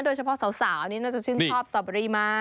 โดยเฉพาะสาวนี่น่าจะชื่นชอบสตอเบอรี่มาก